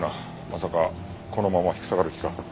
まさかこのまま引き下がる気か？